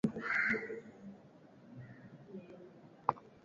Kundi limedai kuhusika na shambulizi